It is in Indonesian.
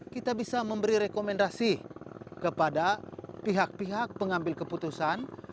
kita bisa memberi rekomendasi kepada pihak pihak pengambil keputusan